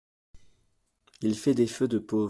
Il fait des feux de pauvre.